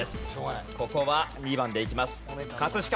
ここは２番でいきます。